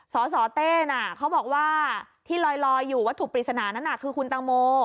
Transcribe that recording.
สสเต้นะเขาบอกว่าที่ลอยอยู่วัตถุปริศนานั้นคือคุณตังโม